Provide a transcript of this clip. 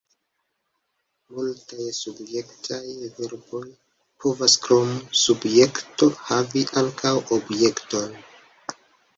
Multaj subjektaj verboj povas krom subjekto havi ankaŭ objekton.